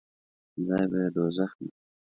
ځای به یې دوږخ وي.